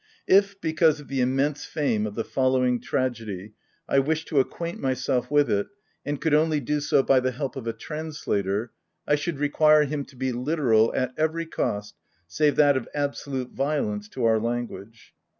If, because of the immense fame of the following Tragedy, I wished to acquaint myself with it, and could only do so by the help of a translator, I should require him to be literal at every cost save that of absolute violence to our language.